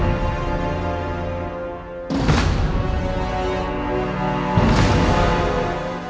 sampai jumpa lagi